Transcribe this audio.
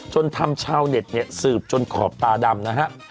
จนทำชาวเน็ตเนี่ยสืบจนขอบตาดำนะฮะ